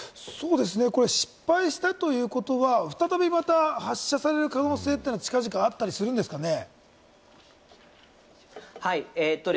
失敗したということは再び発射される可能性は近々あったりするんですかね？